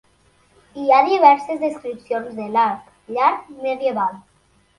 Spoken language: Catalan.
Hi ha diverses descripcions de l'arc llarg medieval.